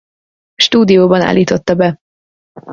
Stúdióban állította be.